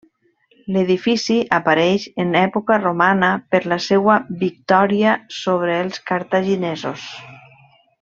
L'edifici apareix en època romana per la seua victòria sobre els cartaginesos.